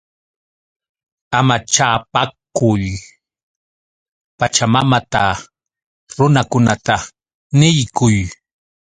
¡Amachapaakuy Pachamamata! Runakunata niykuy.